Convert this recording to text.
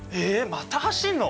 また走るの？